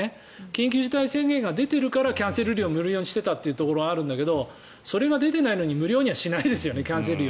緊急事態宣言が出ているからキャンセル料を無料にしていたところもあるけどそれが出ていないのに無料にはしないですよねキャンセル料。